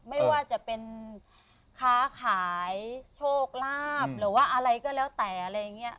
ไม่ว่าจะเป็นค้าขายโชคลาภหรือว่าอะไรก็แล้วแต่อะไรอย่างนี้